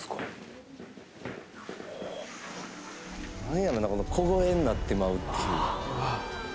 何やろな小声になってまうっていう。